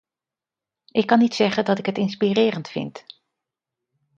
Ik kan niet zeggen dat ik het inspirerend vind.